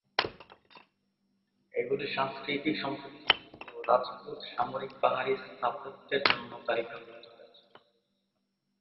এগুলি সাংস্কৃতিক সম্পত্তি ও রাজপুত সামরিক পাহাড়ি স্থাপত্যের জন্য তালিকাভূক্ত হয়েছে।